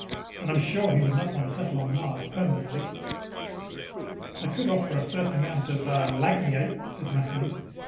And I am sure he would not want to settle on Mars permanently." "I could offer a certain amount of, uh, lagniappe," said Matheny.